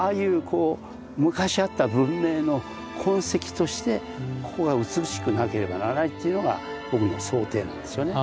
こう昔あった文明の痕跡としてここが美しくなければならないというのが僕の想定なんですよね。